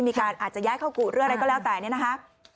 มีการอาจจะย้ายเข้ากูดหรืออะไรก็แล้วแต่เนี่ยนะฮะ